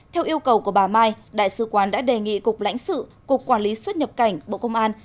theo yêu cầu của bà mai đại sứ quán đã đề nghị cục lãnh sự cục quản lý xuất nhập cảnh bộ công an